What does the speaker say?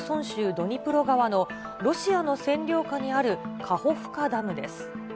ドニプロ川のロシアの占領下にあるカホフカダムです。